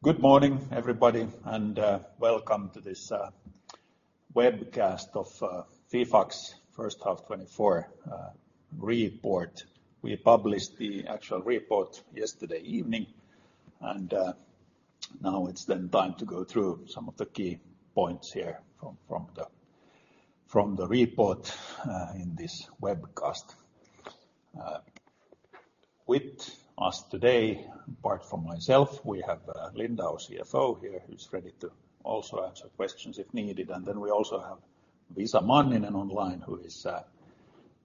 Good morning, everybody, and welcome to this webcast of Fifax First Half 2024 Report. We published the actual report yesterday evening, and now it's then time to go through some of the key points here from the report in this webcast. With us today, apart from myself, we have Linda, our CFO here, who's ready to also answer questions if needed. And then we also have Lisa Manninen online, who is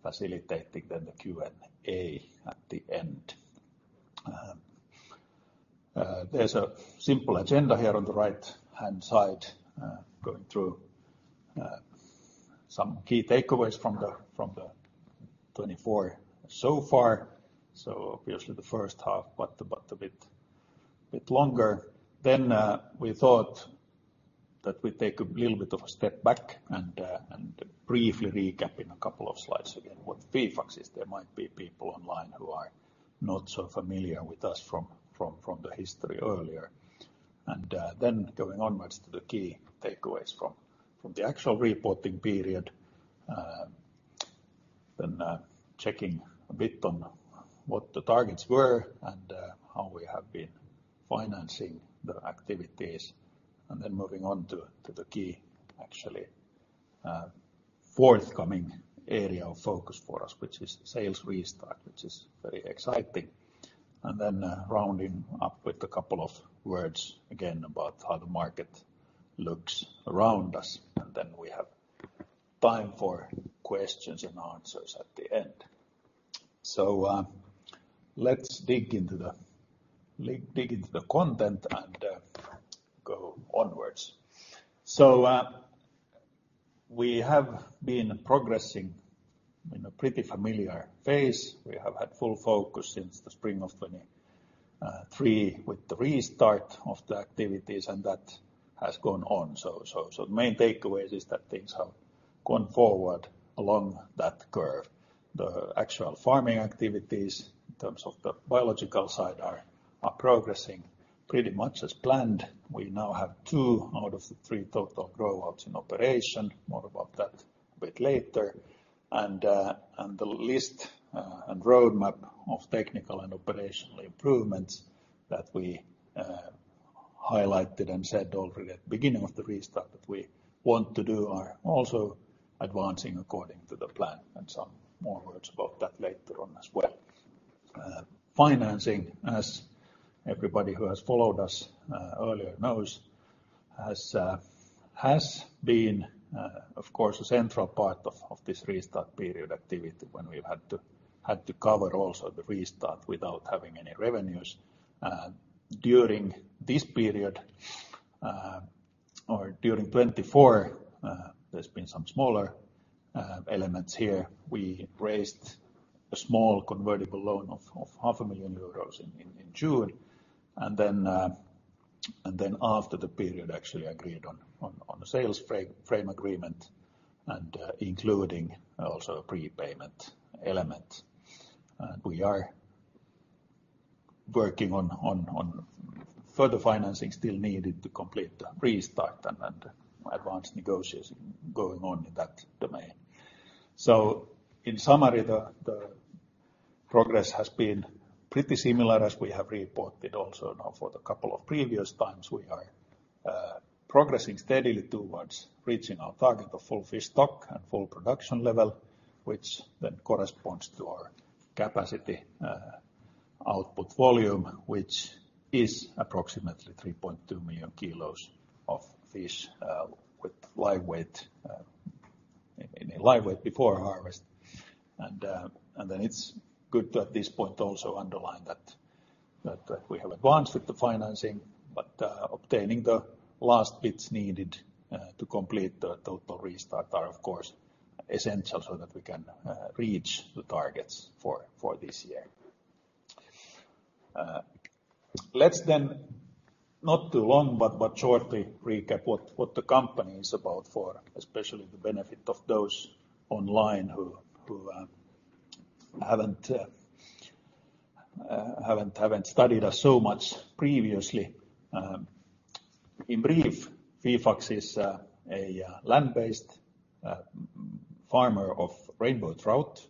facilitating then the Q&A at the end. There's a simple agenda here on the right-hand side, going through some key takeaways from the 2024 so far, so obviously the first half, but a bit longer. Then, we thought that we'd take a little bit of a step back and briefly recap in a couple of slides again, what Fifax is. There might be people online who are not so familiar with us from the history earlier. Then, going onwards to the key takeaways from the actual reporting period, then checking a bit on what the targets were and how we have been financing the activities. Then, moving on to the key, actually, forthcoming area of focus for us, which is sales restart, which is very exciting. Then, rounding up with a couple of words again, about how the market looks around us. Then, we have time for questions and answers at the end. So, let's dig into the content and go onwards. We have been progressing in a pretty familiar phase. We have had full focus since the spring of 2023 with the restart of the activities, and that has gone on. The main takeaway is that things have gone forward along that curve. The actual farming activities, in terms of the biological side, are progressing pretty much as planned. We now have two out of the three total grow-outs in operation. More about that a bit later. The list and roadmap of technical and operational improvements that we highlighted and said already at the beginning of the restart that we want to do are also advancing according to the plan, and some more words about that later on as well. Financing, as everybody who has followed us earlier knows, has been, of course, a central part of this restart period activity, when we've had to cover also the restart without having any revenues. During this period, or during 2024, there's been some smaller elements here. We raised a small convertible loan of EUR 500,000 in June, and then after the period, actually agreed on a sales frame agreement, including also a prepayment element. We are working on further financing still needed to complete the restart and advanced negotiation going on in that domain. So in summary, the progress has been pretty similar as we have reported also now for the couple of previous times. We are progressing steadily towards reaching our target of full fish stock and full production level, which then corresponds to our capacity output volume, which is approximately 3.2 million kg of fish with live weight in a live weight before harvest, and then it's good at this point to also underline that we have advanced with the financing, but obtaining the last bits needed to complete the total restart are, of course, essential so that we can reach the targets for this year. Let's then, not too long, but shortly recap what the company is about for especially the benefit of those online who haven't studied us so much previously. In brief, Fifax is a land-based farmer of rainbow trout.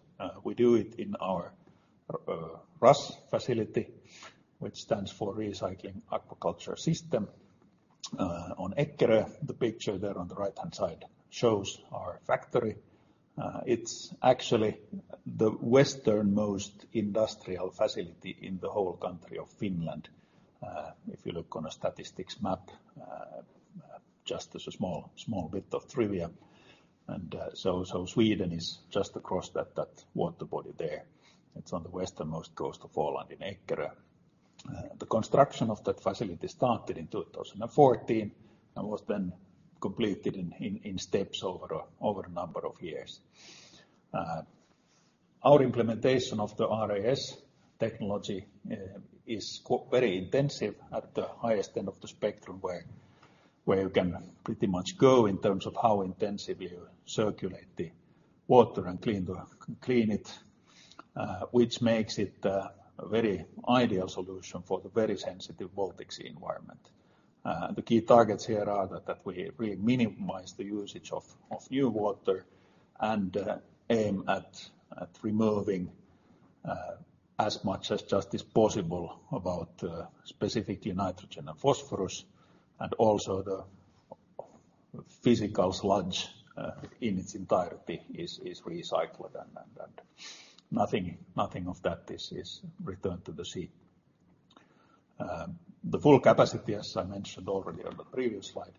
We do it in our RAS facility, which stands for Recirculating Aquaculture System, on Eckerö. The picture there on the right-hand side shows our factory. It's actually the westernmost industrial facility in the whole country of Finland, if you look on a statistics map, just as a small bit of trivia. So Sweden is just across that water body there. It's on the westernmost coast of Åland in Eckerö. The construction of that facility start 2014 and was then completed in steps over a number of years. Our implementation of the RAS technology is very intensive at the highest end of the spectrum, where you can pretty much go in terms of how intensive you circulate the water and clean it. which makes it a very ideal solution for the very sensitive Baltic Sea environment. The key targets here are that we really minimize the usage of new water, and aim at removing as much as just is possible about specifically nitrogen and phosphorus, and also the physical sludge in its entirety is recycled and nothing of that is returned to the sea. The full capacity, as I mentioned already on the previous slide,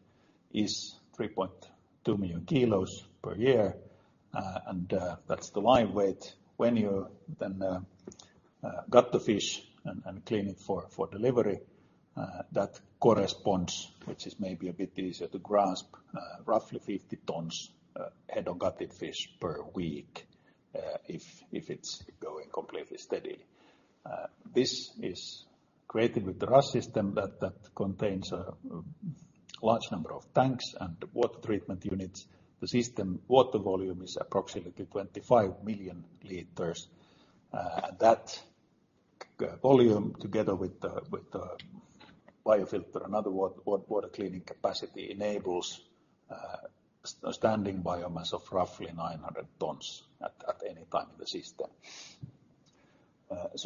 is 3.2 million kg per year, and that's the live weight. When you then gut the fish and clean it for delivery, that corresponds, which is maybe a bit easier to grasp, roughly 50 tons head-on gutted fish per week, if it's going completely steady. This is created with the RAS system that contains a large number of tanks and water treatment units. The system water volume is approximately 25 million L, and that volume, together with the biofilter and other water cleaning capacity, enables standing biomass of roughly 900 tons at any time in the system.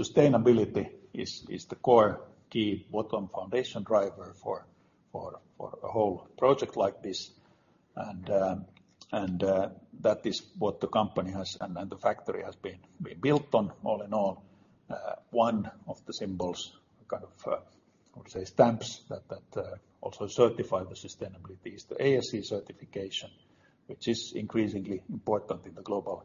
Sustainability is the core key bottom foundation driver for a whole project like this, and that is what the company has and the factory has been built on, all in all. One of the symbols, kind of, I would say, stamps that also certify the sustainability is the ASC certification, which is increasingly important in the global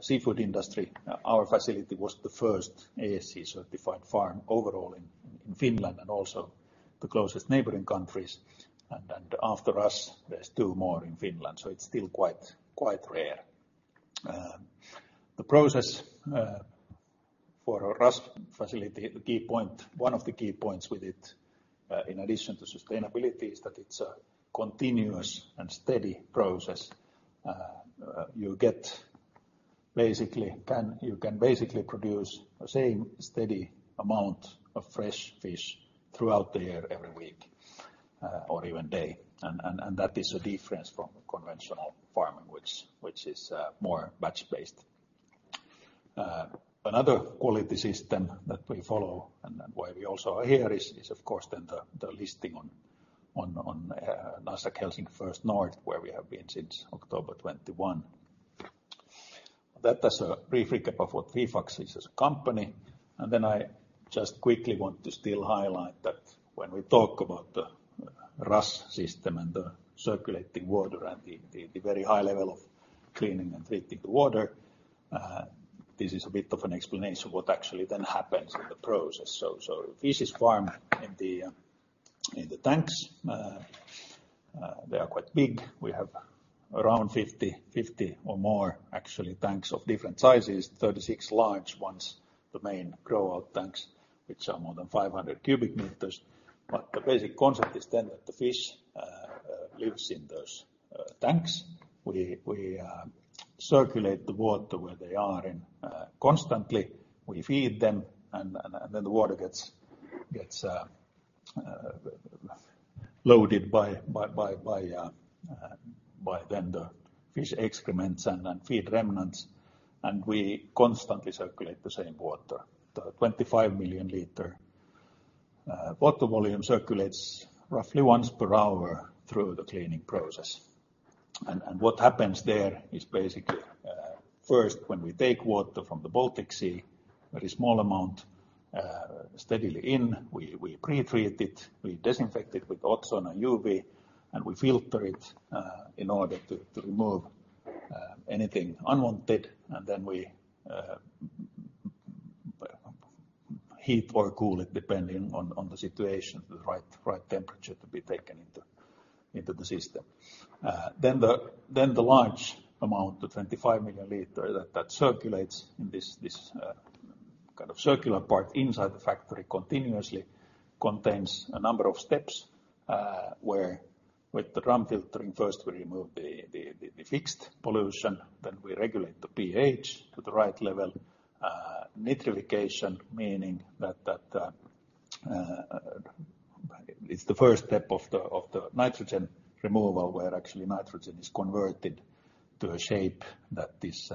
seafood industry. Our facility was the first ASC-certified farm overall in Finland and also the closest neighboring countries, and after us, there's two more in Finland, so it's still quite rare. The process for our RAS facility, the key point, one of the key points with it, in addition to sustainability, is that it's a continuous and steady process. You can basically produce the same steady amount of fresh fish throughout the year, every week, or even day, and that is a difference from conventional farming, which is more batch-based. Another quality system that we follow, and then why we also are here is, of course, then the listing on Nasdaq Helsinki First North, where we have been since October 2021.That is a brief recap of what Fifax is as a company. And then I just quickly want to still highlight that when we talk about the RAS system and the circulating water and the very high level of cleaning and treating the water, this is a bit of an explanation what actually then happens in the process. So fish is farmed in the tanks. They are quite big. We have around 50 or more, actually, tanks of different sizes, 36 large ones, the main grow-out tanks, which are more than 500 cubic meters. But the basic concept is then that the fish lives in those tanks. We circulate the water where they are in constantly. We feed them, and then the water gets loaded by the fish excrements and then feed remnants, and we constantly circulate the same water. The 25 million L water volume circulates roughly once per hour through the cleaning process. What happens there is basically first, when we take water from the Baltic Sea, very small amount steadily in, we pretreat it, we disinfect it with ozone and UV, and we filter it in order to remove anything unwanted, and then we heat or cool it, depending on the situation, the right temperature to be taken into the system. Then the large amount, the 25 million L that circulates in this kind of circular part inside the factory continuously contains a number of steps, where with the drum filtering, first we remove the fixed pollution, then we regulate the pH to the right level, nitrification, meaning that it's the first step of the nitrogen removal, where actually nitrogen is converted to a shape that is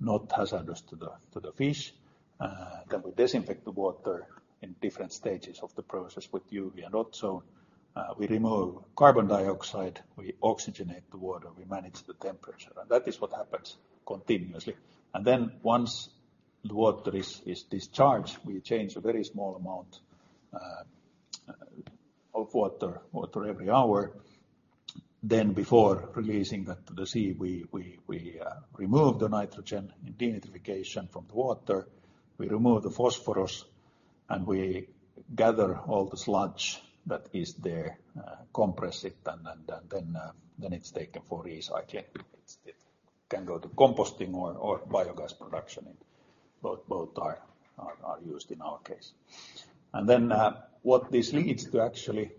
not hazardous to the fish. Then we disinfect the water in different stages of the process with UV and ozone. We remove carbon dioxide, we oxygenate the water, we manage the temperature, and that is what happens continuously. And then once the water is discharged, we change a very small amount of water every hour. Then before releasing it to the sea, we remove the nitrogen in denitrification from the water, we remove the phosphorus, and we gather all the sludge that is there, compress it, and then it's taken for recycling. It can go to composting or biogas production. Both are used in our case. And then what this leads to actually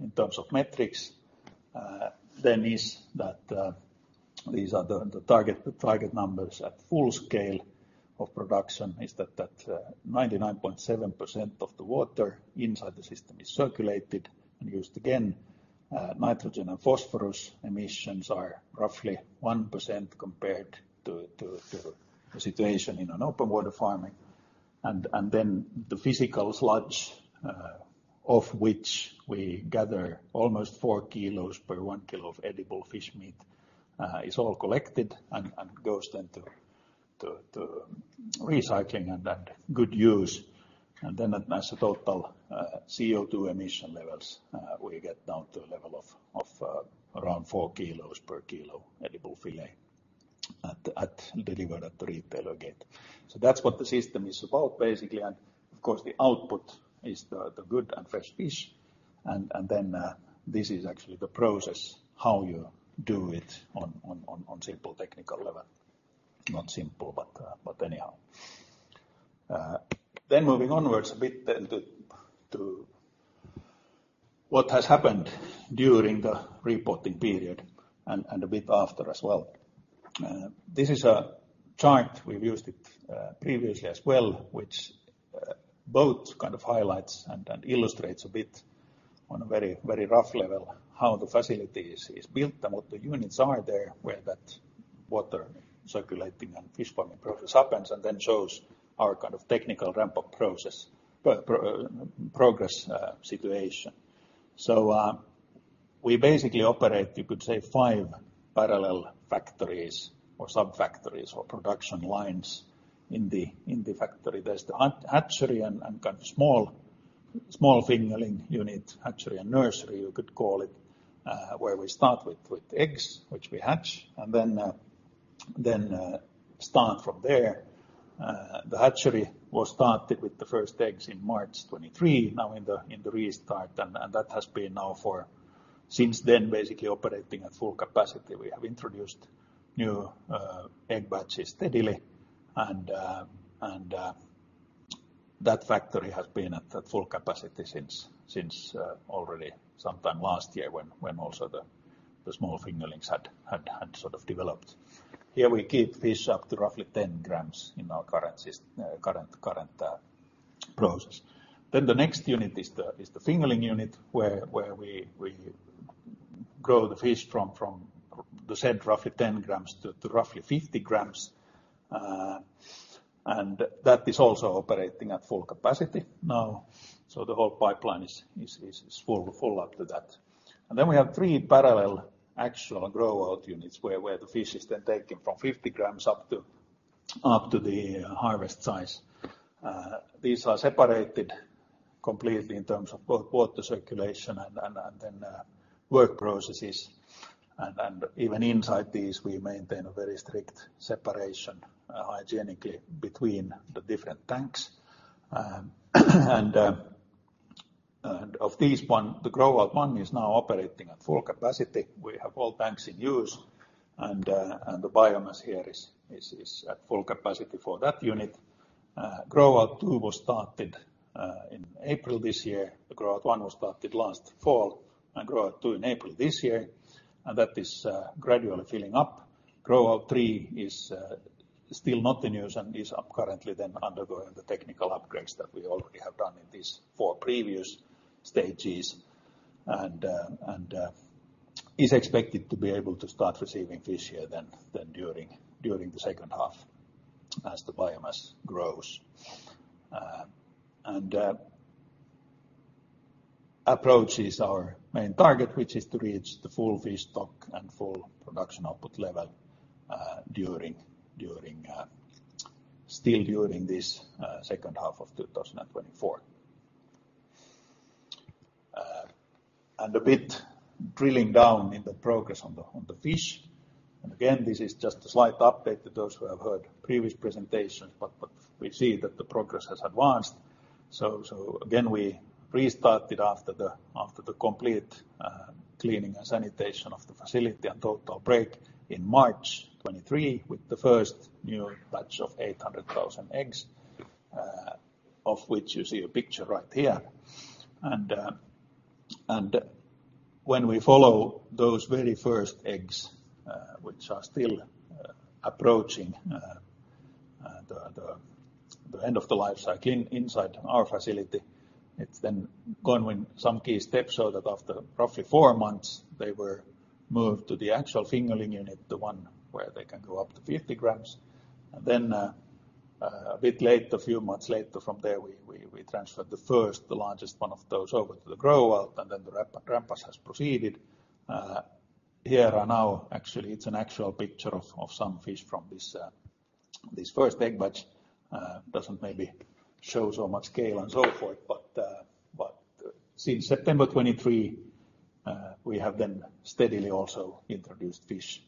in terms of metrics, then is that these are the target numbers at full scale of production is that 99.7% of the water inside the system is circulated and used again. Nitrogen and phosphorus emissions are roughly 1% compared to the situation in an open water farming. Then the physical sludge, of which we gather almost four kilos per one kilo of edible fish meat, is all collected and goes then to recycling and good use. Then as a total, CO2 emission levels, we get down to a level of around four kilos per kilo edible fillet at delivered at the retailer gate. That's what the system is about, basically, and of course, the output is the good and fresh fish. Then this is actually the process, how you do it on simple technical level. Not simple, but anyhow. Then moving onwards a bit to what has happened during the reporting period and a bit after as well. This is a chart we've used it previously as well, which both kind of highlights and illustrates a bit on a very rough level how the facility is built and what the units are there, where that water circulating and fish farming process happens, and then shows our kind of technical ramp-up process progress situation. So we basically operate, you could say, five parallel factories or sub-factories or production lines in the factory. There's the hatchery and kind of small fingerling unit, hatchery and nursery, you could call it, where we start with eggs, which we hatch, and then start from there. The hatchery was started with the first eggs in March 2023, now in the restart, and that has been now for... since then, basically operating at full capacity. We have introduced new egg batches steadily, and that factory has been at full capacity since already sometime last year when also the small fingerlings had sort of developed. Here, we keep fish up to roughly 10 g in our current process. Then the next unit is the fingerling unit, where we grow the fish from the said roughly 10 g to roughly 50 g, and that is also operating at full capacity now. So the whole pipeline is full up to that. And then we have three parallel actual grow-out units, where the fish is then taken from 50 g up to the harvest size. These are separated completely in terms of both water circulation and work processes. Even inside these, we maintain a very strict separation hygienically between the different tanks. One of these, the grow-out one is now operating at full capacity. We have all tanks in use, and the biomass here is at full capacity for that unit. Grow-out two was started in April this year. The grow-out one was started last fall, and grow-out two in April this year, and that is gradually filling up. Grow-out three is still not in use and is up currently then undergoing the technical upgrades that we already have done in these four previous stages, and is expected to be able to start receiving fish here then during the second half as the biomass grows. It approaches our main target, which is to reach the full fish stock and full production output level during still during this second half of 2024. A bit drilling down in the progress on the fish, and again, this is just a slight update to those who have heard previous presentations, but we see that the progress has advanced. So again, we restarted after the complete cleaning and sanitation of the facility and total break in March 2023, with the first new batch of 800,000 eggs, of which you see a picture right here. And when we follow those very first eggs, which are still approaching the end of the life cycle inside our facility, it's then gone when some key steps, so that after roughly four months, they were moved to the actual fingerling unit, the one where they can grow up to 50 g. And then a bit later, a few months later, from there, we transferred the first, the largest one of those over to the grow-out, and then the ramp-up has proceeded. Here are now, actually, it's an actual picture of some fish from this first egg batch. Doesn't maybe show so much scale and so forth, but since September 2023, we have then steadily also introduced fish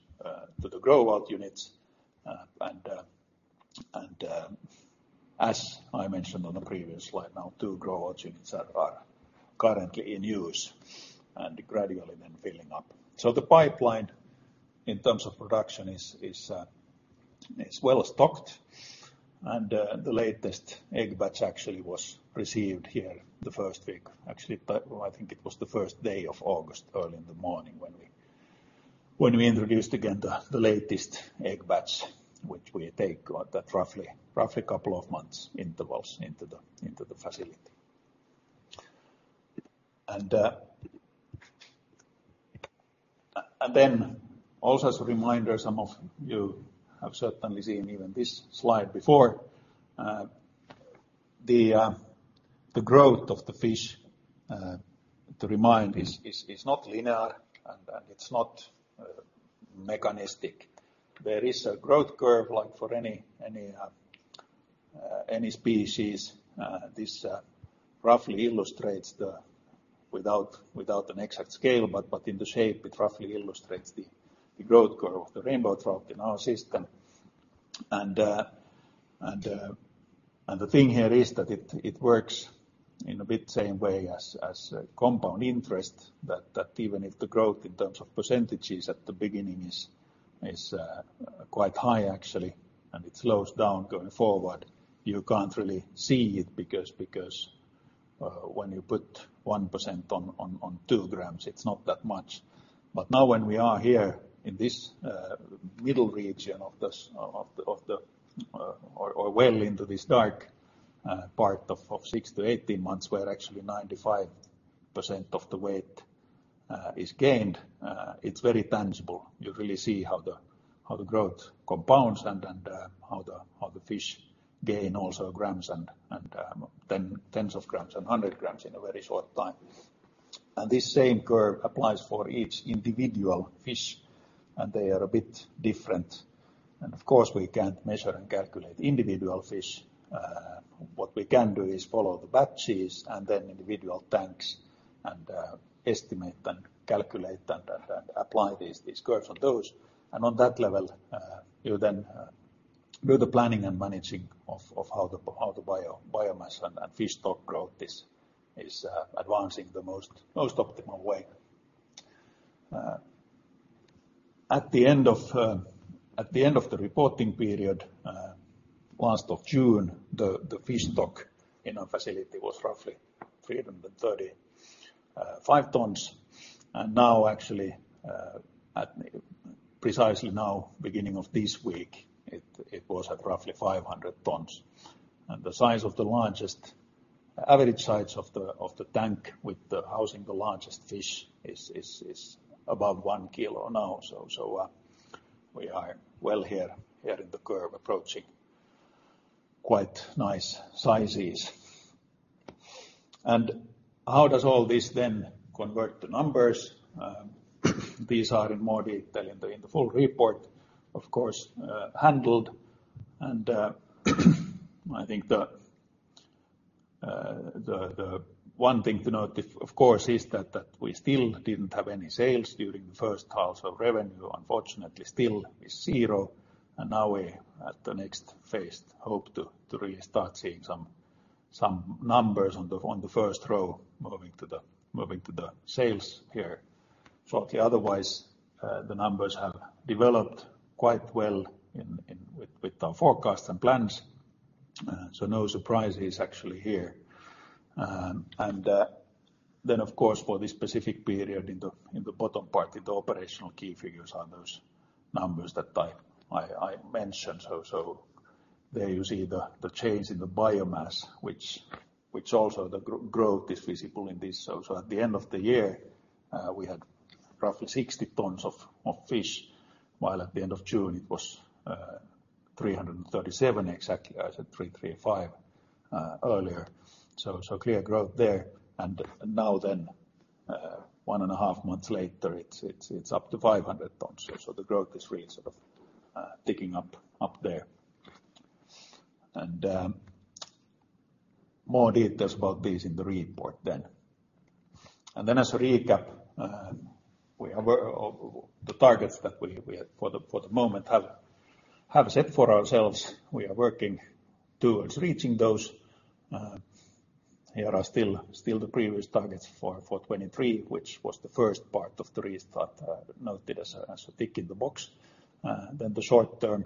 to the grow-out units. And as I mentioned on the previous slide, now two grow-out units are currently in use and gradually then filling up. So the pipeline in terms of production is... It's well stocked, and the latest egg batch actually was received here the first week. Actually, but I think it was the first day of August, early in the morning, when we introduced again the latest egg batch, which we take at that roughly a couple of months intervals into the facility. And then also as a reminder, some of you have certainly seen even this slide before. The growth of the fish, to remind, is not linear, and it's not mechanistic. There is a growth curve, like for any species. This roughly illustrates without an exact scale, but in the shape, it roughly illustrates the growth curve of the rainbow trout in our system. The thing here is that it works in a bit same way as compound interest, that even if the growth in terms of percentages at the beginning is quite high actually, and it slows down going forward, you can't really see it because when you put 1% on two grams, it's not that much. But now, when we are here in this middle region or well into this dark part of 6-18 months, where actually 95% of the weight is gained, it's very tangible. You really see how the growth compounds and how the fish gain also grams and tens of grams and 100 g in a very short time. This same curve applies for each individual fish, and they are a bit different. Of course, we can't measure and calculate individual fish. What we can do is follow the batches and then individual tanks and estimate and calculate and apply these curves on those. On that level, you then do the planning and managing of how the biomass and fish stock growth is advancing the most optimal way. At the end of the reporting period, end of June, the fish stock in our facility was roughly 335 tons. Now, actually, at precisely now, beginning of this week, it was at roughly 500 tons. And the size of the largest average size of the tank with the housing, the largest fish is above one kg now. So we are well here in the curve, approaching quite nice sizes. And how does all this then convert to numbers? These are in more detail in the full report, of course, handled. And I think the one thing to note, of course, is that we still didn't have any sales during the first half, so revenue, unfortunately, still is zero. And now we at the next phase hope to really start seeing some numbers on the first row, moving to the sales here. Shortly, otherwise, the numbers have developed quite well in with our forecast and plans, so no surprises actually here. Then, of course, for this specific period in the bottom part, the operational key figures are those numbers that I mentioned. So there you see the change in the biomass, which also the growth is visible in this. So at the end of the year, we had roughly 60 tons of fish, while at the end of June, it was 337, exactly as at 335 earlier. So clear growth there. Now, one and a half months later, it's up to 500 tons. So the growth is really sort of picking up there. And more details about this in the report then. And then as a recap, we have the targets that we for the moment have set for ourselves. We are working towards reaching those. Here are still the previous targets for 2023, which was the first part of the restart, noted as a tick in the box. Then the short-term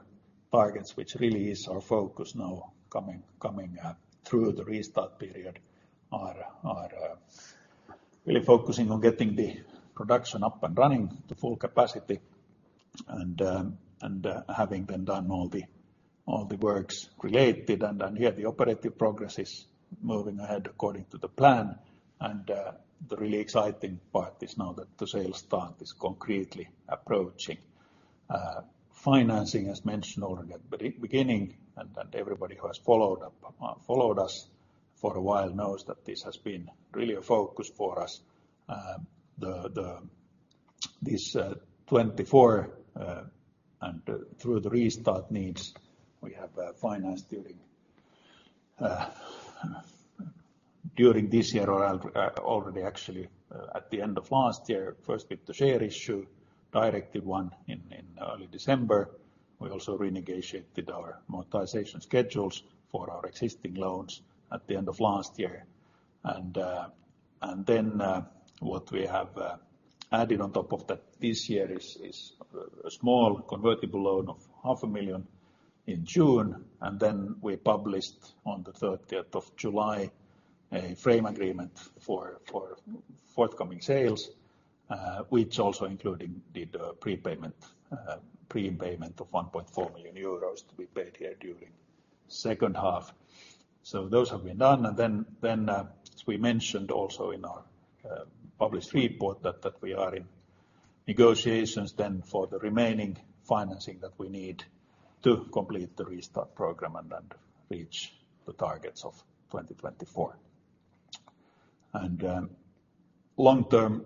targets, which really is our focus now, coming through the restart period, are really focusing on getting the production up and running to full capacity and having been done all the works related. And here, the operative progress is moving ahead according to the plan, and the really exciting part is now that the sales start is concretely approaching. Financing, as mentioned already at the beginning, and everybody who has followed us for a while knows that this has been really a focus for us. This 2024, and through the restart needs, we have financed during this year or already actually at the end of last year. First with the share issue, directed one in early December. We also renegotiated our amortization schedules for our existing loans at the end of last year. And then what we have added on top of that this year is a small convertible loan of 500,000 in June, and then we published on the third day of July a frame agreement for forthcoming sales, which also including the prepayment of 1.4 million euros to be paid here during second half. So those have been done. And then as we mentioned also in our published report, that we are in negotiations then for the remaining financing that we need to complete the restart program and then reach the targets of 2024.Long term,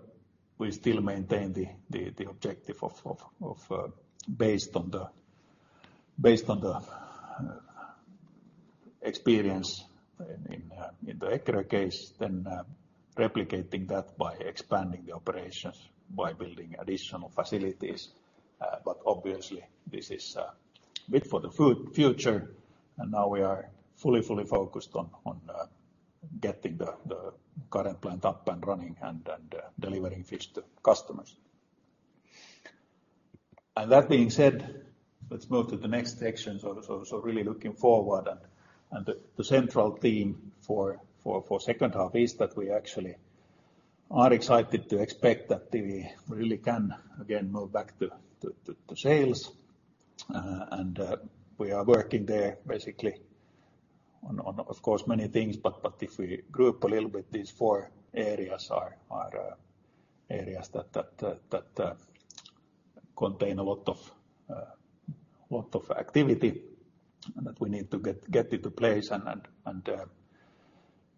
we still maintain the objective of, based on the experience in the Eckerö case, then replicating that by expanding the operations, by building additional facilities. But obviously, this is a bit for the future, and now we are fully focused on getting the current plant up and running and delivering fish to customers. That being said, let's move to the next section. Really looking forward, and the central theme for the second half is that we actually are excited to expect that we really can again move back to sales. We are working there basically on, of course, many things, but if we group a little bit, these four areas are areas that contain a lot of activity and that we need to get into place.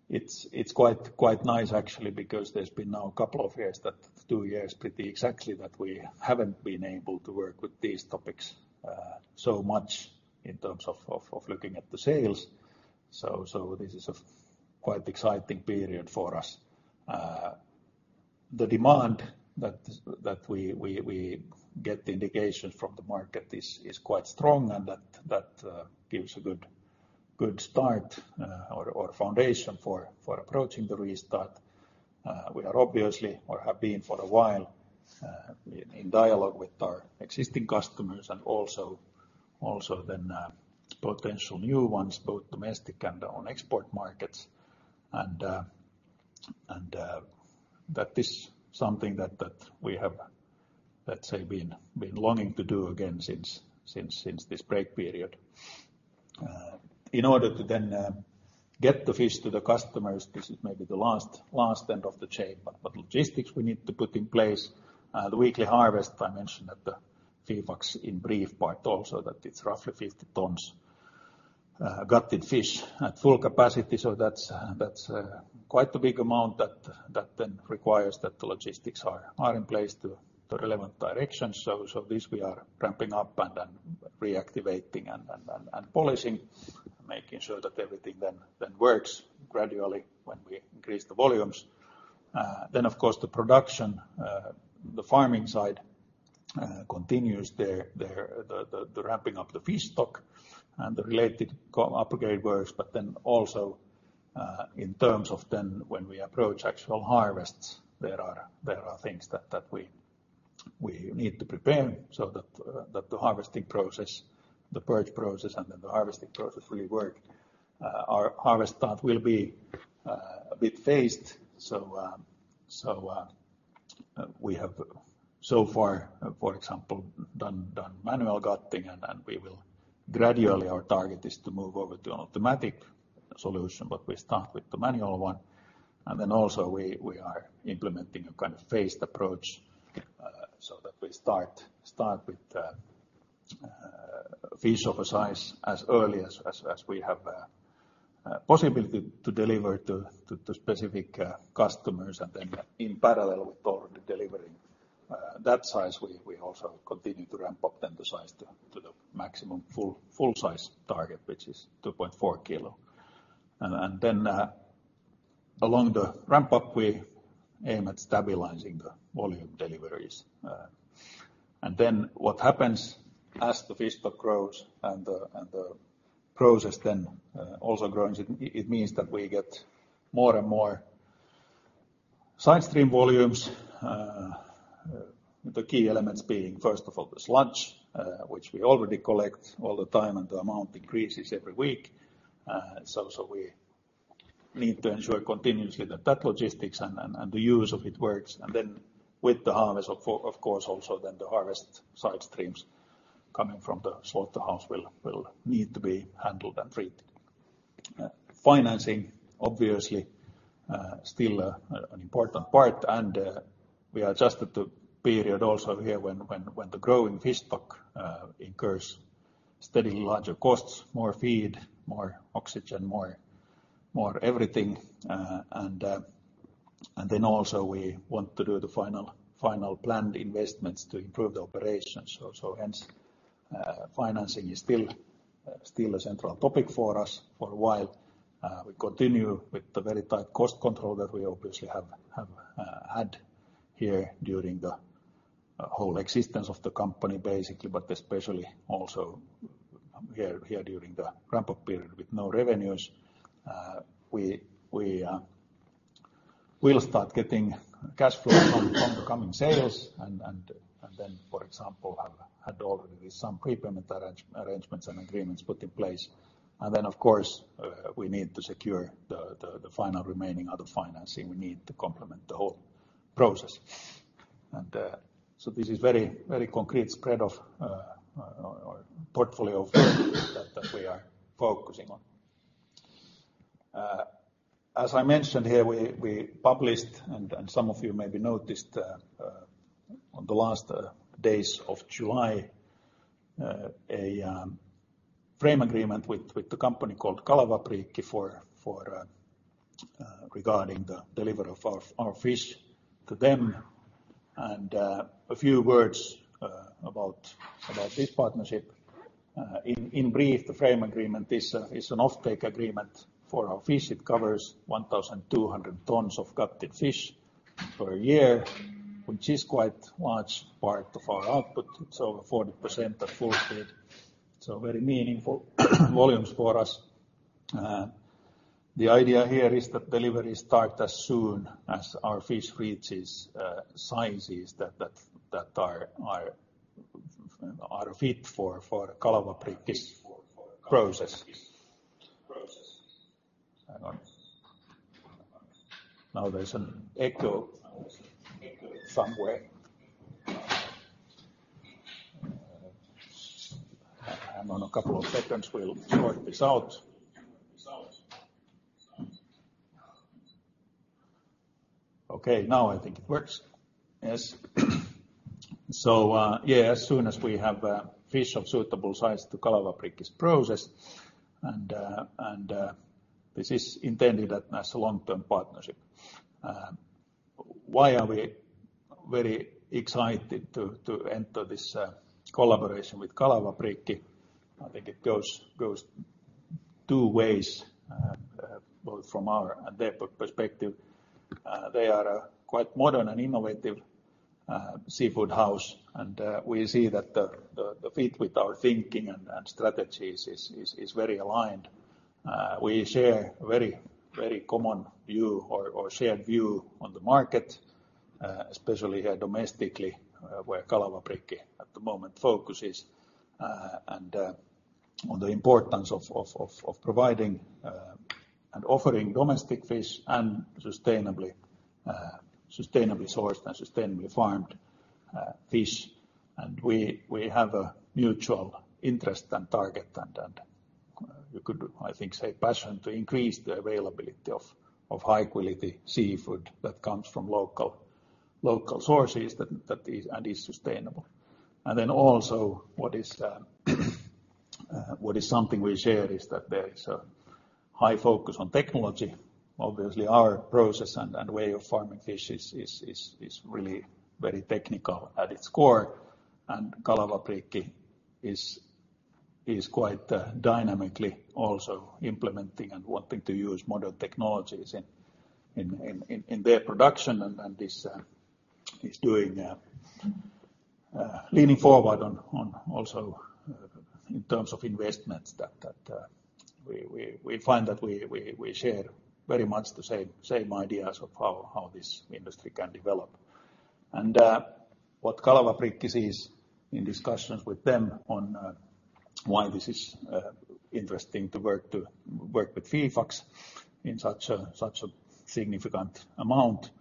It's quite nice, actually, because there's been now two years pretty exactly that we haven't been able to work with these topics so much in terms of looking at the sales. This is a quite exciting period for us. The demand that we get the indications from the market is quite strong and that gives a good start or foundation for approaching the restart. We are obviously or have been for a while in dialogue with our existing customers and also then potential new ones, both domestic and on export markets. That is something that we have, let's say, been longing to do again since this break period. In order to then get the fish to the customers, this is maybe the last end of the chain, but logistics we need to put in place. The weekly harvest, I mentioned at the Fifax in brief part also, that it's roughly 50 tons gutted fish at full capacity. So that's quite a big amount that then requires that the logistics are in place to relevant directions. This we are ramping up and then reactivating and polishing, making sure that everything then works gradually when we increase the volumes. Then, of course, the production, the farming side, continues the ramping up the fish stock and the related component upgrade works, but then also, in terms of then when we approach actual harvests, there are things that we need to prepare so that the harvesting process, the purge process, and then the harvesting process really work. Our harvest start will be a bit phased. We have so far, for example, done manual gutting, and then we will gradually, our target is to move over to an automatic solution, but we start with the manual one. And then also, we are implementing a kind of phased approach, so that we start with fish of a size as early as we have possibility to deliver to specific customers. And then in parallel with already delivering that size, we also continue to ramp up then the size to the maximum full size target, which is two point four kilo. And then along the ramp up, we aim at stabilizing the volume deliveries. And then what happens as the fish stock grows and the process then also grows, it means that we get more and more sidestream volumes. The key elements being, first of all, the sludge, which we already collect all the time, and the amount increases every week, so we need to ensure continuously that the logistics and the use of it works. And then with the harvest, of course, also then the harvest side streams coming from the slaughterhouse will need to be handled and treated. Financing, obviously, still an important part, and we are adjusted to period also here when the growing fish stock incurs steadily larger costs, more feed, more oxygen, more everything. And then also we want to do the final planned investments to improve the operations. So hence, financing is still a central topic for us for a while. We continue with the very tight cost control that we obviously have had here during the whole existence of the company, basically, but especially also here during the ramp-up period with no revenues. We will start getting cash flow from the coming sales, and then, for example, have had already some prepayment arrangements and agreements put in place. And then, of course, we need to secure the final remaining other financing we need to complement the whole process. And so this is very, very concrete spread of or portfolio that we are focusing on. As I mentioned here, we published, and some of you maybe noticed, on the last days of July, a frame agreement with the company called Kalavapriikki for regarding the delivery of our fish to them. And a few words about this partnership. In brief, the frame agreement is an offtake agreement for our fish. It covers 1,200 tons of gutted fish per year, which is quite large part of our output. It's over 40% at full speed, so very meaningful volumes for us. The idea here is that deliveries start as soon as our fish reaches sizes that are fit for Kalavapriikki's process. Hang on. Now, there's an echo somewhere. Hang on a couple of seconds, we'll sort this out. Okay, now I think it works. Yes. So, yeah, as soon as we have fish of suitable size to Kalavapriikki's process, and this is intended as a long-term partnership. Why are we very excited to enter this collaboration with Kalavapriikki? I think it goes two ways, both from our and their perspective. They are a quite modern and innovative seafood house, and we see that the fit with our thinking and strategies is very aligned. We share very common view or shared view on the market, especially here domestically, where Kalavapriikki, at the moment, focuses. And on the importance of providing and offering domestic fish and sustainably sourced and sustainably farmed fish. We have a mutual interest and target, and you could, I think, say passion to increase the availability of high-quality seafood that comes from local sources that is and is sustainable. And then also, what is something we share is that there is a high focus on technology. Obviously, our process and way of farming fish is really very technical at its core, and Kalavapriikki is quite dynamically also implementing and wanting to use modern technologies in their production, and this is leaning forward on also in terms of investments that we find that we share very much the same ideas of how this industry can develop. What Kalavapriikki is in discussions with them on, why this is interesting to work with Fifax in such a significant amount.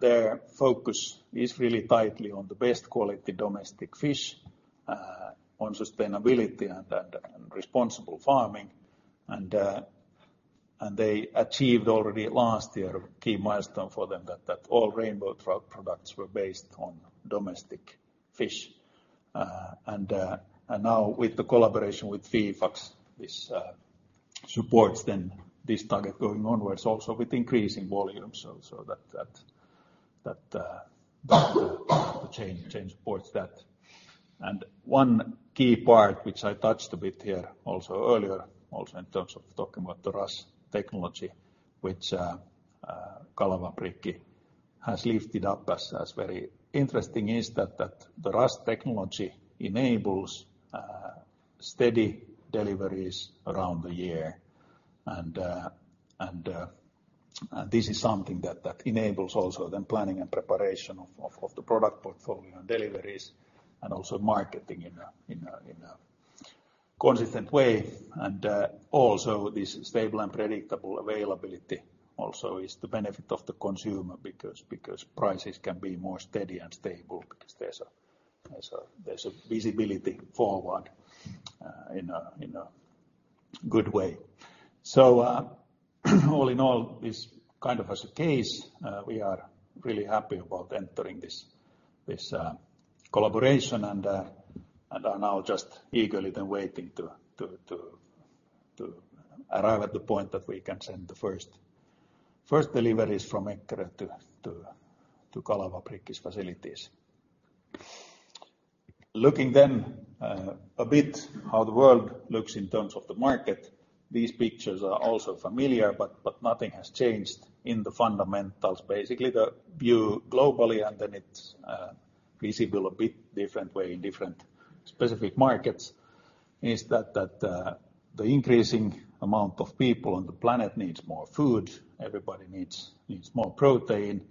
Their focus is really tightly on the best quality domestic fish, on sustainability and responsible farming, and they achieved already last year a key milestone for them, that all rainbow trout products were based on domestic fish. Now with the collaboration with Fifax, this supports then this target going onwards, also with increasing volume, so that the chain supports that. One key part, which I touched a bit here also earlier, also in terms of talking about the RAS technology, which Kalavapriikki has lifted up as very interesting, is that the RAS technology enables steady deliveries around the year. This is something that enables also then planning and preparation of the product portfolio and deliveries, and also marketing in a consistent way. Also this stable and predictable availability also is the benefit of the consumer, because prices can be more steady and stable, because there's a visibility forward, in a good way. So, all in all, this kind of as a case, we are really happy about entering this collaboration and are now just eagerly then waiting to arrive at the point that we can send the first deliveries from Eckerö to Kalavapriikki's facilities. Looking then, a bit how the world looks in terms of the market, these pictures are also familiar, but nothing has changed in the fundamentals. Basically, the view globally, and then it's visible a bit different way in different specific markets, is that the increasing amount of people on the planet needs more food. Everybody needs more protein,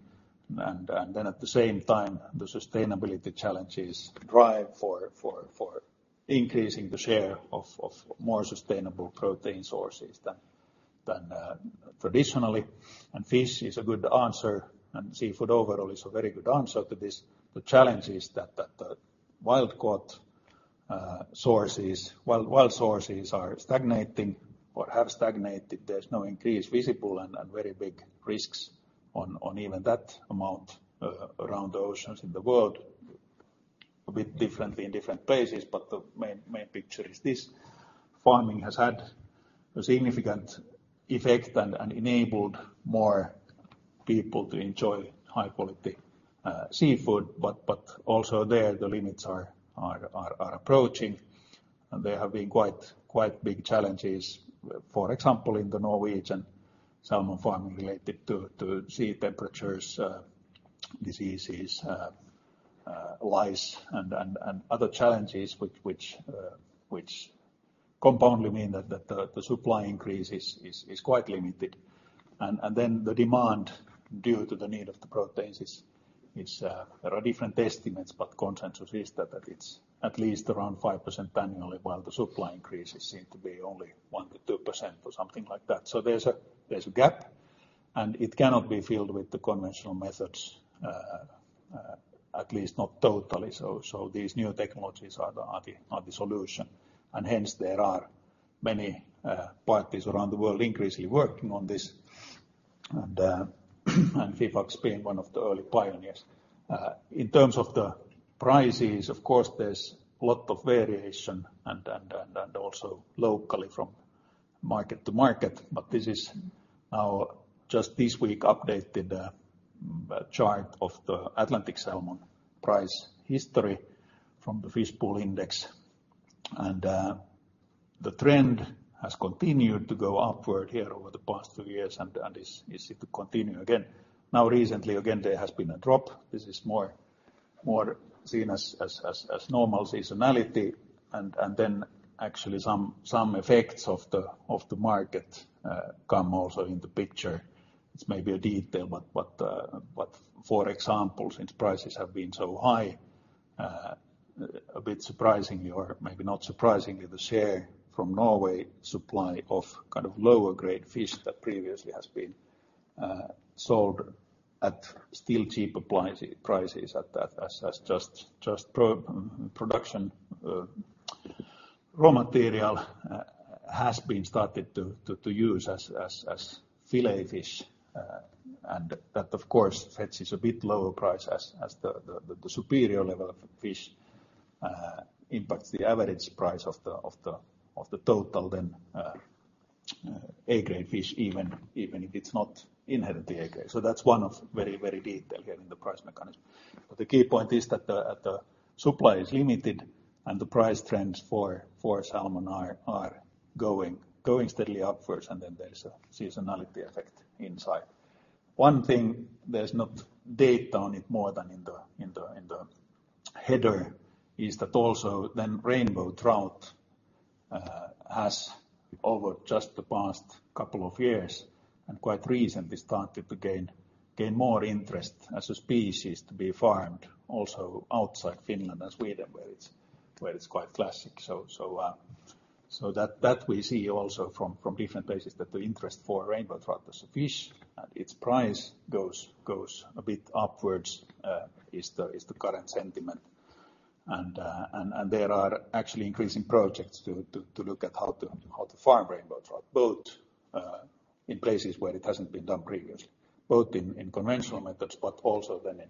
and then at the same time, the sustainability challenges drive for increasing the share of more sustainable protein sources than traditionally. Fish is a good answer, and seafood overall is a very good answer to this. The challenge is that wild caught sources, while wild sources are stagnating or have stagnated, there's no increase visible, and very big risks on even that amount around the oceans in the world, a bit differently in different places, but the main picture is this: farming has had a significant effect and enabled more people to enjoy high quality seafood, but also there, the limits are approaching, and there have been quite big challenges. For example, in the Norwegian salmon farming related to sea temperatures, diseases, lice, and other challenges, which compoundly mean that the supply increase is quite limited. Then the demand due to the need of the proteins is there are different estimates, but consensus is that it's at least around 5% annually, while the supply increases seem to be only 1%-2% or something like that. There's a gap, and it cannot be filled with the conventional methods, at least not totally. These new technologies are the solution, and hence, there are many parties around the world increasingly working on this, and Fifax being one of the early pioneers. In terms of the prices, of course, there's a lot of variation, and also locally from market to market, but this is now just this week, updated chart of the Atlantic salmon price history from the Fish Pool Index. The trend has continued to go upward here over the past two years, and is easy to continue again. Now, recently, again, there has been a drop. This is more seen as normal seasonality, and then actually some effects of the market come also in the picture. It's maybe a detail, but for example, since prices have been so high, a bit surprisingly or maybe not surprisingly, the share from Norway supply of kind of lower grade fish that previously has been sold at still cheap supply prices as just production raw material has been started to use as fillet fish. And that, of course, fetches a bit lower price as the superior level of fish impacts the average price of the total, then A-grade fish even if it's not inherently A-grade. So that's one of very detail here in the price mechanism. But the key point is that the supply is limited, and the price trends for salmon are going steadily upwards, and then there's a seasonality effect inside. One thing, there's no data on it more than in the header, is that also then rainbow trout has over just the past couple of years and quite recently, started to gain more interest as a species to be farmed, also outside Finland and Sweden, where it's quite classic. We see also from different places that the interest for rainbow trout as a fish and its price goes a bit upwards is the current sentiment. There are actually increasing projects to look at how to farm rainbow trout in places where it hasn't been done previously in conventional methods but also then in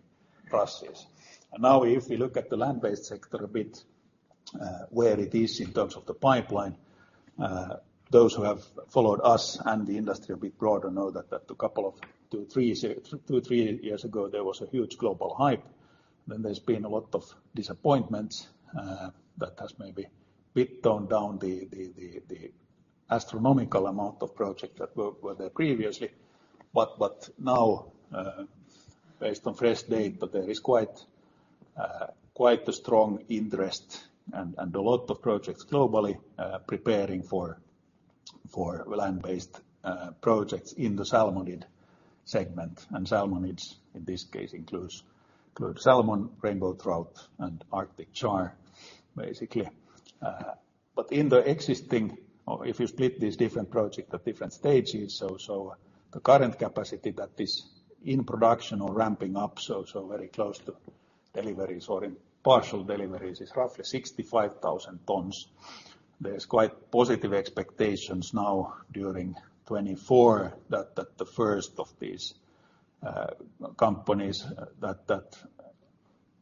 process. Now, if we look at the land-based sector a bit where it is in terms of the pipeline those who have followed us and the industry a bit broader know that a couple of two three years ago there was a huge global hype. Then there's been a lot of disappointments that has maybe toned down the astronomical amount of projects that were there previously. But now, based on fresh data, there is quite a strong interest and a lot of projects globally preparing for land-based projects in the salmonid segment. And salmonids, in this case, includes the salmon, rainbow trout, and Arctic char, basically. But in the existing, or if you split these different projects at different stages, the current capacity that is in production or ramping up, very close to deliveries or in partial deliveries, is roughly 65,000 tons. There's quite positive expectations now during 2024, that the first of these companies that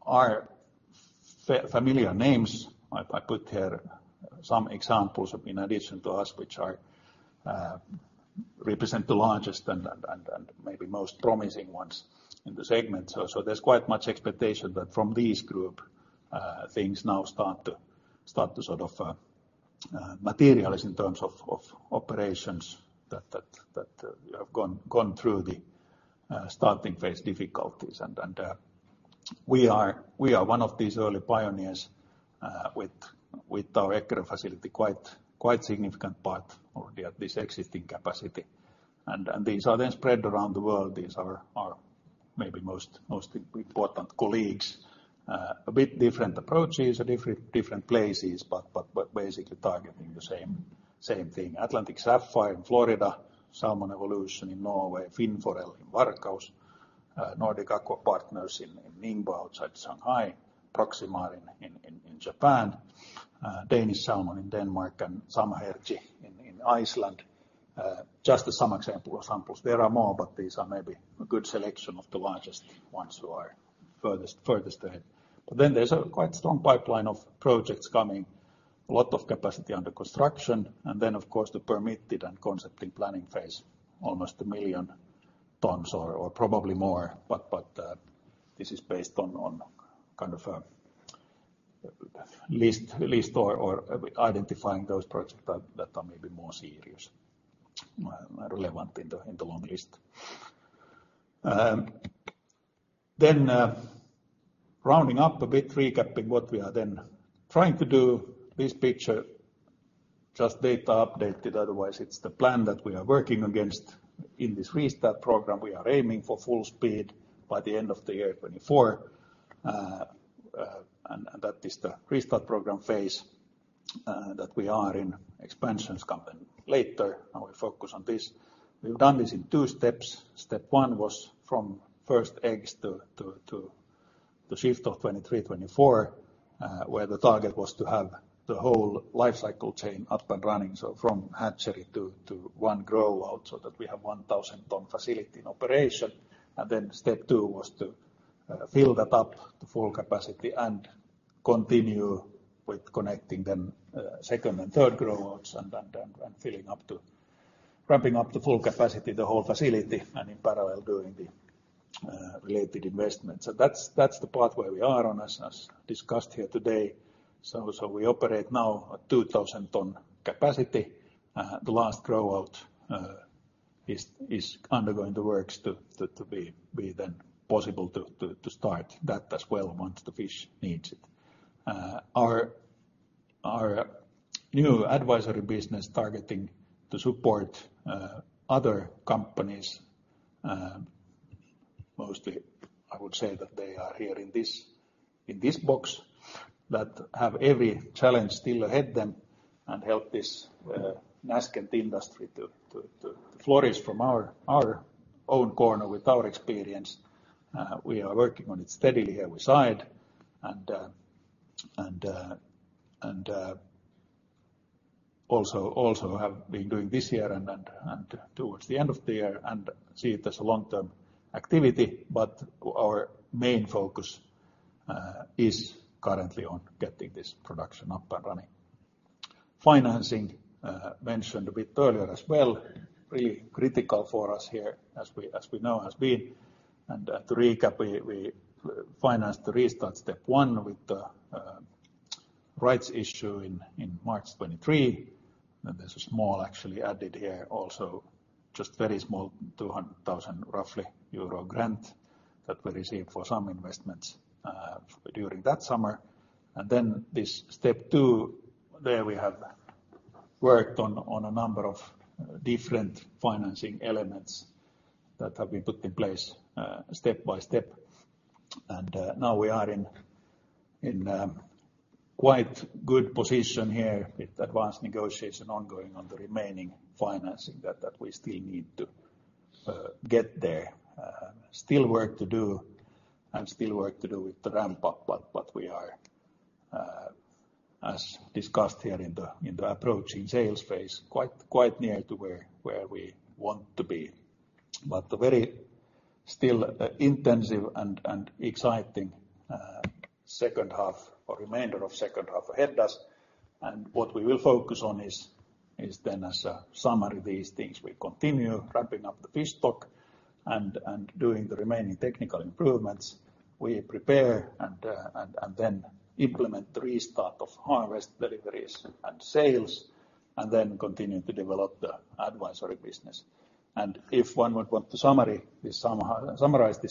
are familiar names, I put here... Some examples in addition to us, which represent the largest and maybe most promising ones in the segment. So there's quite much expectation that from this group, things now start to sort of materialize in terms of operations that have gone through the starting phase difficulties. And we are one of these early pioneers with our Eckerö facility, quite significant part already at this existing capacity. And these are then spread around the world. These are our maybe most important colleagues. A bit different approaches, different places, but basically targeting the same thing. Atlantic Sapphire in Florida, Salmon Evolution in Norway, Finnforell in Varkaus, Nordic Aqua Partners in Ningbo, outside Shanghai, Proximar in Japan, Danish Salmon in Denmark, and Samherji in Iceland. Just as some example or samples. There are more, but these are maybe a good selection of the largest ones who are furthest ahead. But then there's a quite strong pipeline of projects coming, a lot of capacity under construction, and then, of course, the permitted and concept and planning phase, almost a million tons or probably more. But this is based on kind of a list or identifying those projects that are maybe more serious, relevant in the long list. Then, rounding up a bit, recapping what we are then trying to do, this picture, just data updated. Otherwise, it's the plan that we are working against in this restart program. We are aiming for full speed by the end of the year 2024, and that is the restart program phase that we are in. Expansions coming later. Now we focus on this. We've done this in two steps. Step one was from first eggs to shift of 2023, 2024, where the target was to have the whole life cycle chain up and running, so from hatchery to one grow-out, so that we have 1,000-ton facility in operation. And then step two was to fill that up to full capacity and continue with connecting then second and third grow-outs and ramping up to full capacity, the whole facility, and in parallel, doing the related investments. That's the part where we are on, as discussed here today. We operate now at 2000 ton capacity. The last grow out is undergoing the works to be then possible to start that as well once the fish needs it. Our new advisory business targeting to support other companies, mostly I would say that they are here in this box, that have every challenge still ahead them, and help this nascent industry to flourish from our own corner with our experience. We are working on it steadily here with side, and also have been doing this year and towards the end of the year, and see it as a long-term activity. But our main focus is currently on getting this production up and running. Financing, mentioned a bit earlier as well, really critical for us here as we know, has been. And to recap, we financed the restart step one with the rights issue in March 2023. And there's a small actually added here also, just very small, roughly 200,000 EUR grant that we received for some investments during that summer. And then this step two, there we have worked on a number of different financing elements that have been put in place step by step. And now we are in a quite good position here with advanced negotiation ongoing on the remaining financing that we still need to get there. Still work to do, and still work to do with the ramp up, but we are, as discussed here in the approach in sales phase, quite near to where we want to be, but very still intensive and exciting second half or remainder of second half ahead of us, and what we will focus on is then as a summary of these things, we continue ramping up the fish stock and doing the remaining technical improvements. We prepare and then implement the restart of harvest, deliveries, and sales, and then continue to develop the advisory business. If one would want to summarize this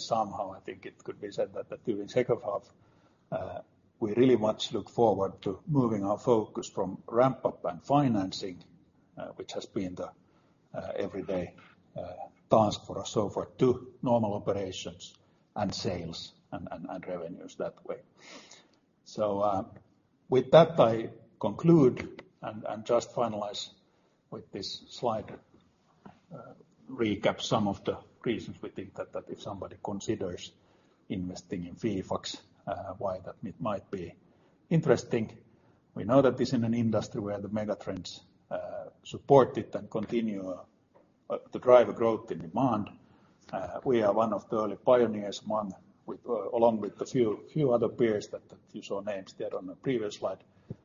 somehow, I think it could be said that during the second half, we really much look forward to moving our focus from ramp up and financing, which has been the everyday task for us so far, to normal operations and sales and revenues that way. So, with that, I conclude and just finalize with this slide, recap some of the reasons we think that if somebody considers investing in Fifax, why that it might be interesting. We know that this is in an industry where the megatrends support it and continue to drive a growth in demand. We are one of the early pioneers along with a few other peers that you saw names there on the previous slide,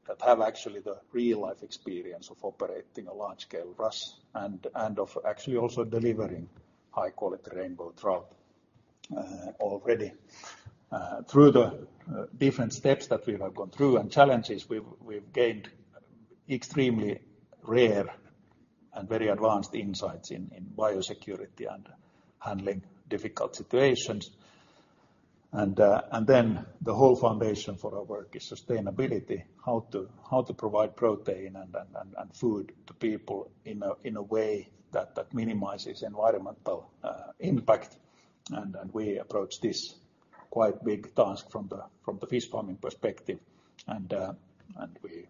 that have actually the real-life experience of operating a large-scale RAS and of actually also delivering high-quality rainbow trout already. Through the different steps that we have gone through and challenges, we've gained extremely rare and very advanced insights in biosecurity and handling difficult situations. Then the whole foundation for our work is sustainability, how to provide protein and food to people in a way that minimizes environmental impact. We approach this quite big task from the fish farming perspective. We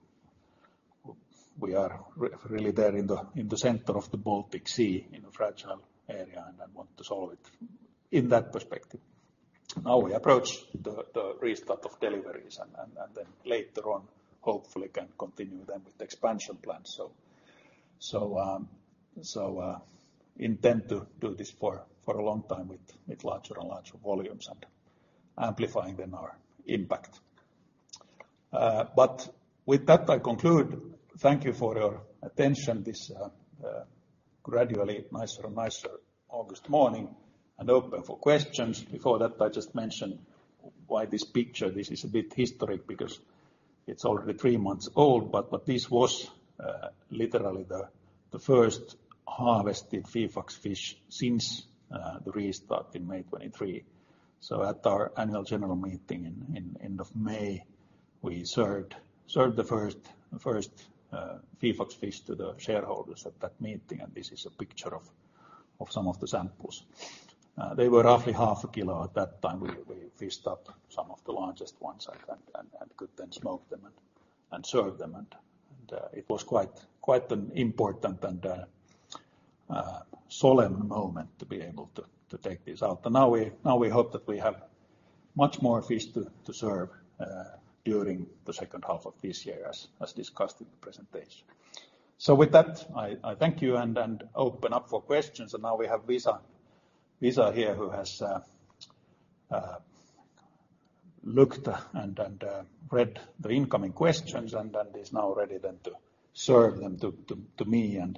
are really there in the center of the Baltic Sea, in a fragile area, and want to solve it in that perspective. Now, we approach the restart of deliveries, and then later on, hopefully, can continue with the expansion plans. We intend to do this for a long time with larger and larger volumes and amplifying our impact. With that, I conclude. Thank you for your attention, this gradually nicer and nicer August morning, and open for questions. Before that, I just mention why this picture. This is a bit historic because it is already three months old, but this was literally the first harvested Fifax fish since the restart in May 2023. So at our annual general meeting in end of May, we served the first Fifax fish to the shareholders at that meeting, and this is a picture of some of the samples. They were roughly half a kilo at that time. We fished up some of the largest ones and could then smoke them and serve them, and it was quite an important and solemn moment to be able to take this out. But now we hope that we have much more fish to serve during the second half of this year, as discussed in the presentation. So with that, I thank you, and open up for questions. And now we have Lisa.Lisa here, who has looked and read the incoming questions and is now ready to serve them to me and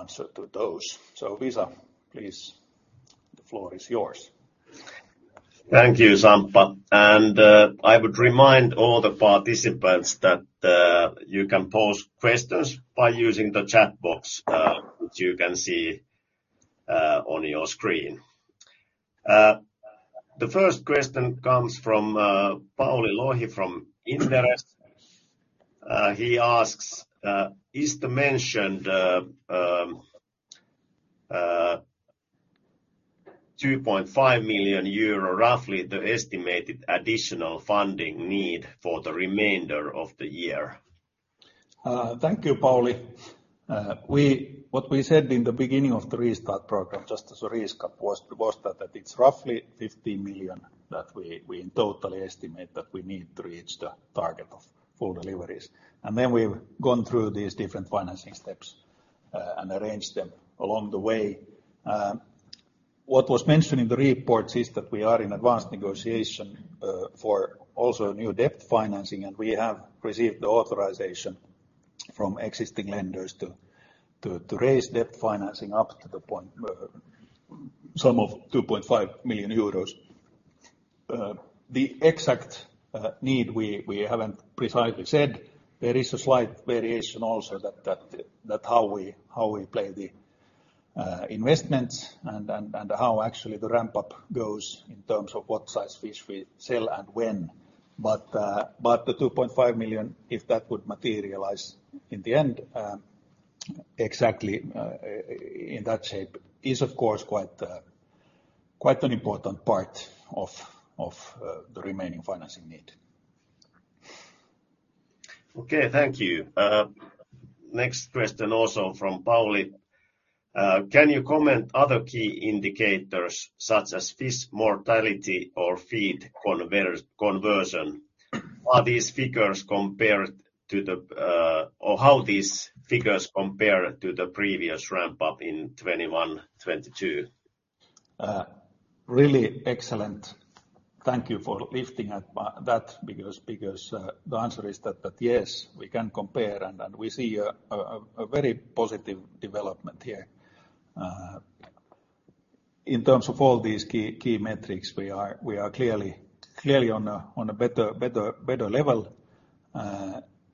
answer those. So Lisa, please, the floor is yours. Thank you, Samppa, and I would remind all the participants that you can pose questions by using the chat box, which you can see on your screen. The first question comes from Pauli Lohi from Inderes. He asks, "Is the mentioned 2.5 million euro roughly the estimated additional funding need for the remainder of the year? Thank you, Pauli. What we said in the beginning of the restart program, just as a recap, was that it's roughly 15 million that we totally estimate that we need to reach the target of full deliveries. And then we've gone through these different financing steps and arranged them along the way. What was mentioned in the reports is that we are in advanced negotiation for also a new debt financing, and we have received the authorization from existing lenders to raise debt financing up to the point sum ofEUR 2.5 million. The exact need, we haven't precisely said. There is a slight variation also that how we play the investments and how actually the ramp-up goes in terms of what size fish we sell and when. But the 2.5 million, if that would materialize in the end, exactly in that shape, is of course quite an important part of the remaining financing need. Okay, thank you. Next question, also from Pauli Lohi: Can you comment on other key indicators, such as fish mortality or feed conversion? How these figures compare to the previous ramp-up in 2021, 2022? Really excellent. Thank you for lifting up that, because the answer is that yes, we can compare, and we see a very positive development here. In terms of all these key metrics, we are clearly on a better level.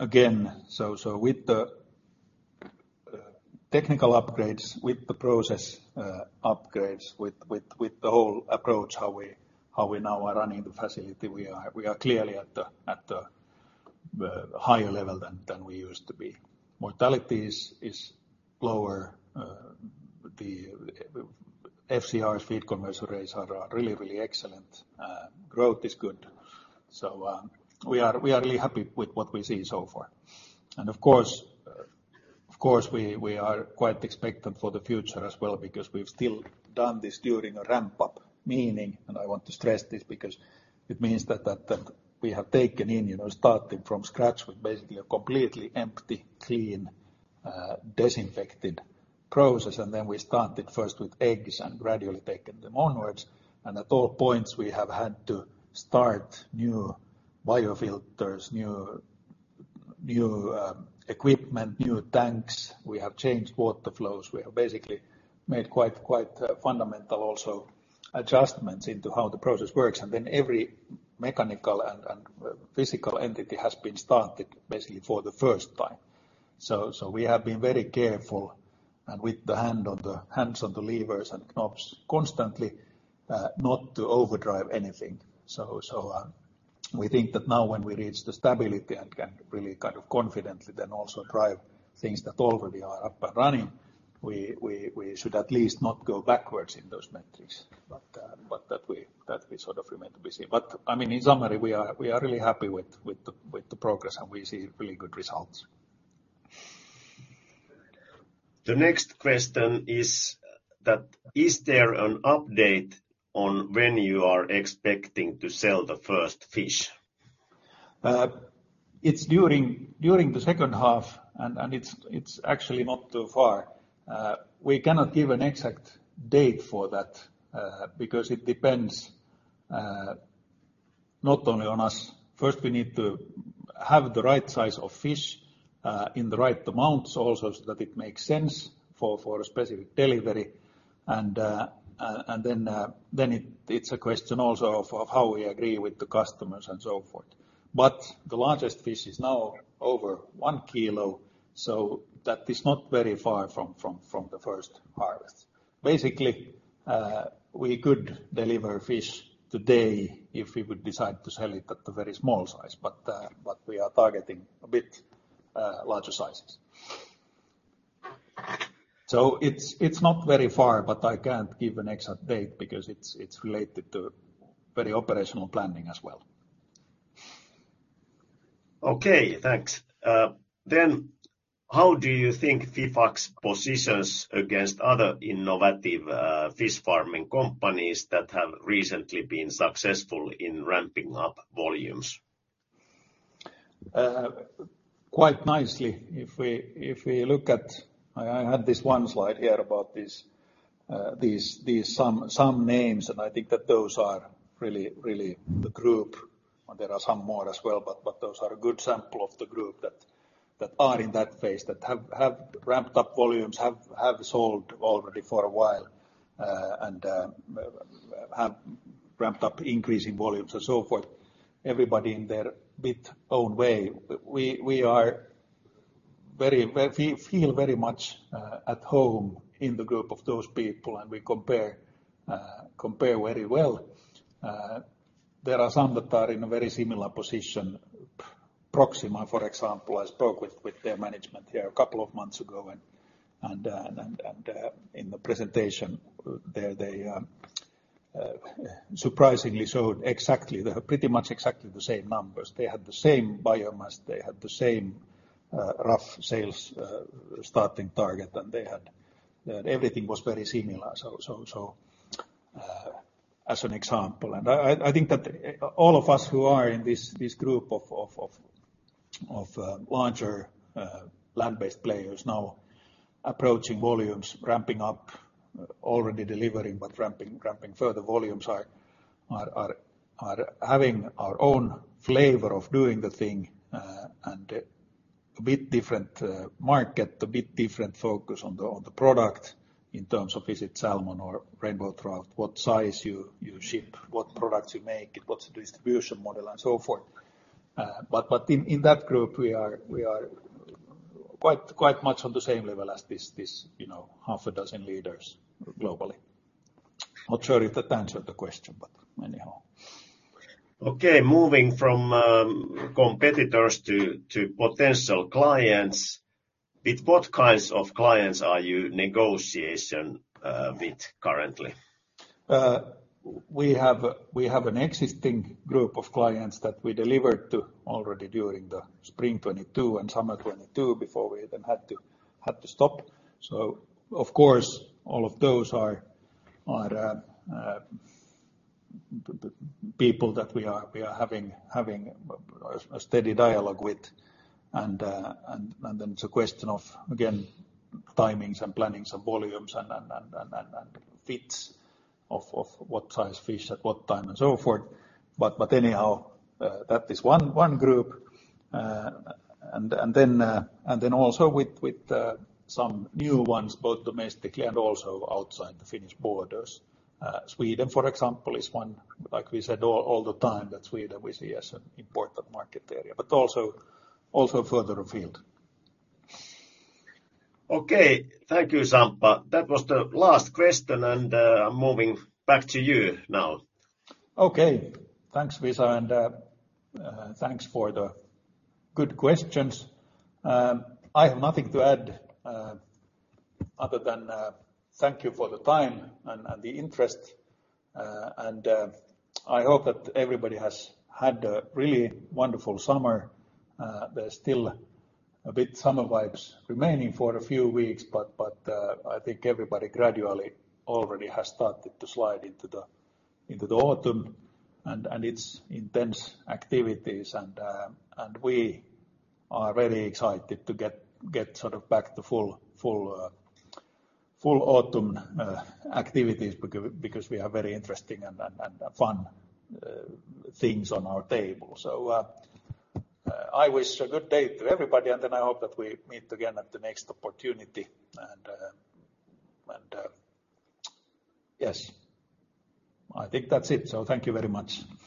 Again, so with the technical upgrades, with the process upgrades, with the whole approach, how we now are running the facility, we are clearly at the higher level than we used to be. Mortality is lower, the FCR, Feed Conversion Rates are really excellent. Growth is good, so we are really happy with what we see so far. And of course, we are quite expectant for the future as well, because we've still done this during a ramp-up, meaning, and I want to stress this, because it means that we have taken in, you know, starting from scratch with basically a completely empty, clean, disinfected process, and then we started first with eggs and gradually taken them onwards. And at all points, we have had to start new biofilters, new equipment, new tanks. We have changed water flows. We have basically made quite fundamental also adjustments into how the process works. And then every mechanical and physical entity has been started, basically, for the first time. So we have been very careful, and with hands on the levers and knobs constantly, not to overdrive anything. We think that now when we reach the stability and can really kind of confidently then also drive things that already are up and running, we should at least not go backwards in those metrics. But that we sort of remain to be seen. But, I mean, in summary, we are really happy with the progress, and we see really good results. The next question is that, is there an update on when you are expecting to sell the first fish? It's during the second half, and it's actually not too far. We cannot give an exact date for that, because it depends not only on us. First, we need to have the right size of fish in the right amounts also, so that it makes sense for a specific delivery, and then it's a question also of how we agree with the customers and so forth, but the largest fish is now over one kilo, so that is not very far from the first harvest. Basically, we could deliver fish today if we would decide to sell it at a very small size, but we are targeting a bit larger sizes.It's not very far, but I can't give an exact date because it's related to very operational planning as well. Okay, thanks. Then, how do you think Fifax positions against other innovative fish farming companies that have recently been successful in ramping up volumes? Quite nicely. If we look at - I had this one slide here about these some names, and I think that those are really the group, and there are some more as well, but those are a good sample of the group that are in that phase that have ramped up volumes have sold already for a while and have ramped up increasing volumes and so forth, everybody in their bit own way. We are very we feel very much at home in the group of those people, and we compare very well. There are some that are in a very similar position. Proximar, for example, I spoke with their management here a couple of months ago, and in the presentation, there they surprisingly showed exactly, they have pretty much exactly the same numbers. They had the same biomass, they had the same rough sales starting target, and they had everything was very similar, so as an example. I think that all of us who are in this group of larger land-based players now approaching volumes, ramping up, already delivering, but ramping further volumes are having our own flavor of doing the thing, and a bit different market, a bit different focus on the product in terms of is it salmon or rainbow trout, what size you ship, what products you make, what's the distribution model, and so forth. But in that group, we are quite much on the same level as this half a dozen leaders globally. Not sure if that answered the question, but anyhow. Okay, moving from competitors to potential clients, with what kinds of clients are you negotiating with currently? We have an existing group of clients that we delivered to already during the spring 2022 and summer 2022 before we even had to stop. So of course, all of those are the people that we are having a steady dialogue with. And then it's a question of, again, timings and plannings and volumes and fits of what size fish at what time and so forth. But anyhow, that is one group. And then also with some new ones, both domestically and also outside the Finnish borders. Sweden, for example, is one, like we said, all the time, that Sweden we see as an important market area, but also further afield. Okay. Thank you, Samppa. That was the last question, and, I'm moving back to you now. Okay. Thanks, Lisa, and thanks for the good questions. I have nothing to add, other than thank you for the time and the interest, and I hope that everybody has had a really wonderful summer. There's still a bit summer vibes remaining for a few weeks, but I think everybody gradually already has started to slide into the autumn, and its intense activities. And we are very excited to get sort of back to full autumn activities, because we have very interesting and fun things on our table. So I wish a good day to everybody, and then I hope that we meet again at the next opportunity. And yes, I think that's it. So thank you very much.